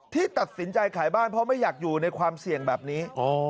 ที่ตัดสินใจขายบ้านเพราะไม่อยากอยู่ในความเสี่ยงแบบนี้